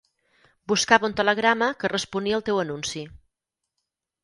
Buscava un telegrama que responia el teu anunci.